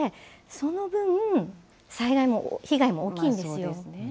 なので、その分、災害も、被害も大きいんですよ。